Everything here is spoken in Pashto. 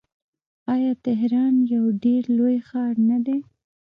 آیا تهران یو ډیر لوی ښار نه دی؟